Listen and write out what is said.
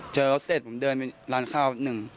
เจอแล้วเสร็จผมเดินไปร้านข้าวนึง